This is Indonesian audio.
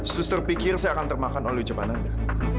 suster pikir saya akan termakan oleh ucapan anda